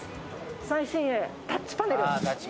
最新鋭タッチパネル